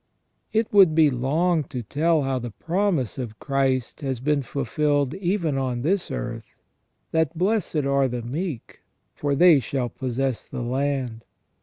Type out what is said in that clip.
It would be long to tell how the promise of Christ has been fulfilled even on this earth, that " blessed are the meek, for they shall possess the land